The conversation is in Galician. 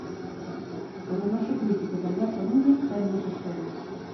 O reloxo político de Alberto Núñez ten dúas esferas.